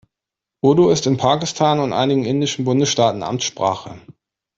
Urdu ist in Pakistan und einigen indischen Bundesstaaten Amtssprache.